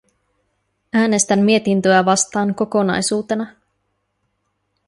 Äänestän mietintöä vastaan kokonaisuutena.